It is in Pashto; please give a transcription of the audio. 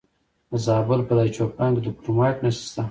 د زابل په دایچوپان کې د کرومایټ نښې شته.